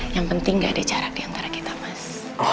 yang penting gak ada jarak diantara kita mas